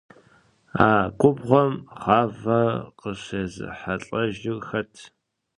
А губгъуэм гъавэр къыщезыхьэлӏэжыр хэт?